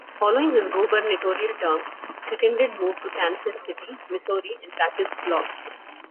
Following his gubernatorial term, Crittenden moved to Kansas City, Missouri and practiced law.